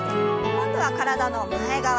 今度は体の前側。